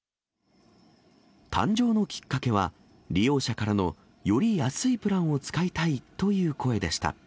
誕生のきっかけは、利用者からのより安いプランを使いたいという声でした。